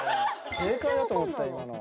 正解だと思った。